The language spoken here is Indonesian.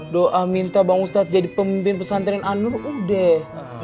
doa minta bang ustadz jadi pemimpin pesantren anur udah